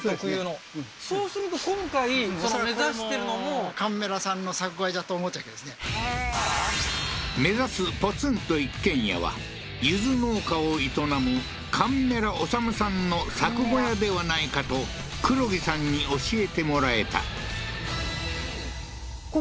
そうですねそうすると今回目指すポツンと一軒家は柚子農家を営む上米良オサムさんの作小屋ではないかと黒木さんに教えてもらえた